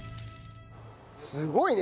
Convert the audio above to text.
すごいね。